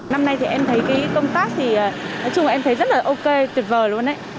năm nay thì em thấy cái công tác thì nói chung em thấy rất là ok tuyệt vời luôn